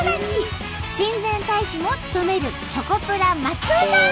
親善大使も務めるチョコプラ松尾さん！